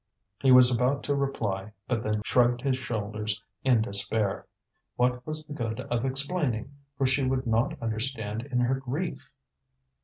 He was about to reply, but then shrugged his shoulders in despair. What was the good of explaining, for she would not understand in her grief?